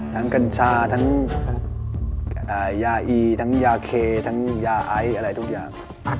กัญชาทั้งยาอีทั้งยาเคทั้งยาไออะไรทุกอย่าง